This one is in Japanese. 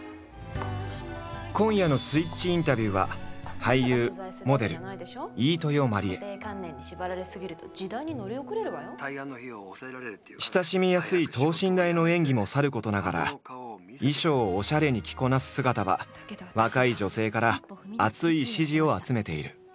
今夜の「スイッチインタビュー」は親しみやすい等身大の演技もさることながら衣装をオシャレに着こなす姿は若い女性から熱い支持を集めている。